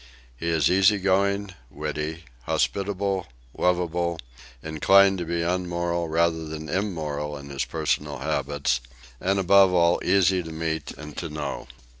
He is easy going, witty, hospitable, lovable, inclined to be unmoral rather than immoral in his personal habits, and above all easy to meet and to know.